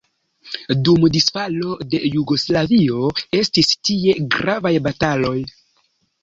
Dum disfalo de Jugoslavio estis tie gravaj bataloj.